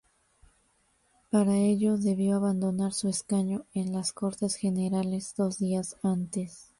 Para ello, debió abandonar su escaño en las Cortes Generales dos días antes.